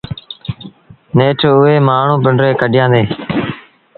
نيٺ اُئي مآڻهوٚٚݩ پنڊريٚ ڪڍيآݩدي